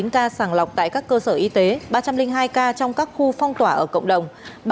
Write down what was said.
ba trăm linh chín ca sàng lọc tại các cơ sở y tế ba trăm linh hai ca trong các khu phong tỏa ở cộng đồng